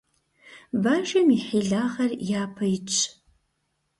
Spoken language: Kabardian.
Бажэм и хьилагъэр япэ итщ.